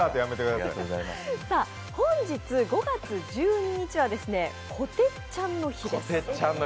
本日５月１２日は、こてっちゃんの日です。